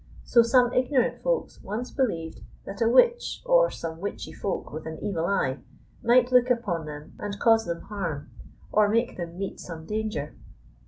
So some ignorant Folks once believed that a witch, or some witchy Folk with an evil eye, might look upon them and cause them harm, or make them meet some danger.